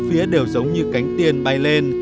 bốn phía đều giống như cánh tiên bay lên